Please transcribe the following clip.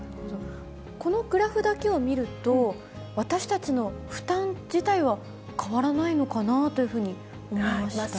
このグラフだけを見ると、私たちの負担自体は変わらないのかな？というふうに思いました。